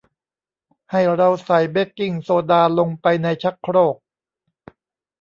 ให้เราใส่เบกกิ้งโซดาลงไปในชักโครก